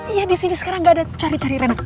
iya disini sekarang gak ada cari cari rena